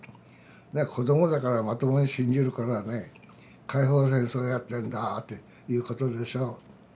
子どもだからまともに信じるからね解放戦争やってんだっていうことでしょう。